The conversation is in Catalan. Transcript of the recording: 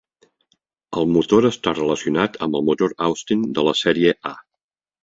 El motor està relacionat amb el motor Austin de la sèrie A.